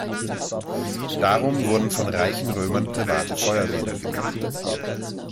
Darum wurden von reichen Römern private Feuerwehren gebildet.